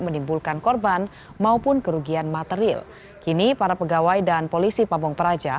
menimbulkan korban maupun kerugian materil kini para pegawai dan polisi pamongperaja